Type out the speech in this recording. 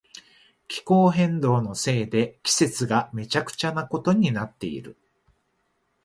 気候変動のせいで季節がめちゃくちゃなことになっている。